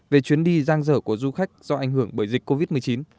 về chuyến đi giang dở của du khách do ảnh hưởng bởi dịch covid một mươi chín